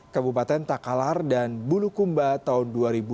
kabupaten takalar dan bulukumba tahun dua ribu dua puluh